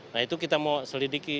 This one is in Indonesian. nah itu kita mau selidiki